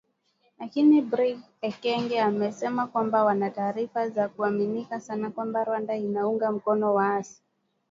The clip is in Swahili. Lakini Brig Ekenge amesema kwamba wana taarifa za kuaminika sana kwamba Rwanda inaunga mkono waasi.